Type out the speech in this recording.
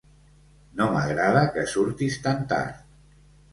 No m'agrada que surtis tan tard.